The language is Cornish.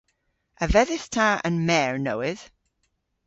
A vedhydh ta an mer nowydh?